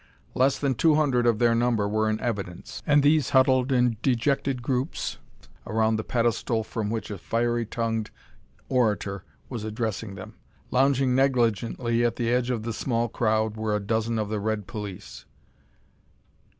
Less than two hundred of their number were in evidence, and these huddled in dejected groups around the pedestal from which a fiery tongued orator was addressing them. Lounging negligently at the edge of the small crowd were a dozen of the red police.